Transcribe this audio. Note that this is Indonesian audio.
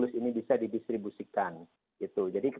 tidak ada kondisi keertian saja menurut saya